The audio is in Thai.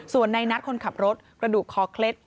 ส่วนในนัดคนขับรถกระดูกคอเคล็ด